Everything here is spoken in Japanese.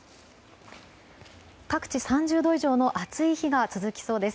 各地、３０度以上の暑い日が続きそうです。